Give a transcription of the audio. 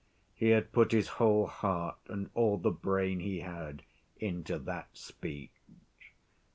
He had put his whole heart and all the brain he had into that speech.